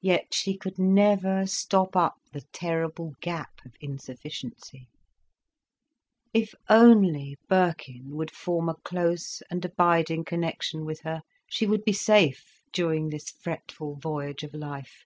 Yet she could never stop up the terrible gap of insufficiency. If only Birkin would form a close and abiding connection with her, she would be safe during this fretful voyage of life.